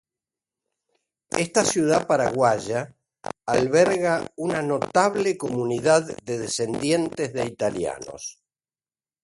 Esta ciudad paraguaya alberga una notable comunidad de descendientes de italianos.